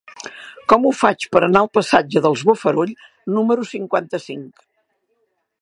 Com ho faig per anar al passatge dels Bofarull número cinquanta-cinc?